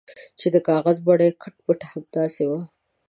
چې د کاغذ بڼه یې کټ مټ همداسې وه.